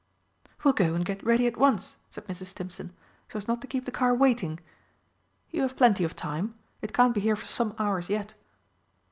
"We'll go and get ready at once," said Mrs. Stimpson, "so as not to keep the car waiting." "You have plenty of time. It can't be here for some hours yet."